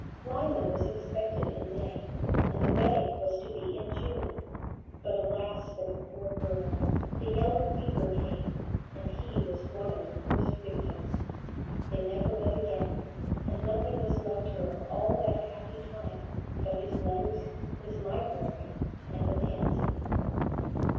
Lyman was expected in May, and the wedding was to be in June; but, alas for the poor girl! the yellow fever came, and he was one of the first victims. They never met again, and nothing was left her of all that happy time but his letters, his library, and the pansy."